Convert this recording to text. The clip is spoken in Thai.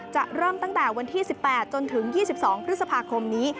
จะเริ่มตั้งแต่วันที่๑๘จนถึง๒๒พฤษภาคมนี้